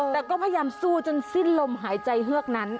แต่ก็พยายามสู้จนสิ้นลมหายใจเฮือกนั้น